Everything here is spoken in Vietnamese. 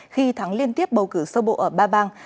khi thắng liên tiếp bầu cử sơ bộ ở ba bang